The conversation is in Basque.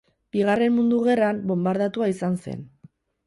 Bigarren Mundu Gerran bonbardatua izan zen.